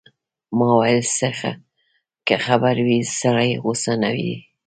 ما ویل ځه که خیر وي، سړی غوسه نه دی.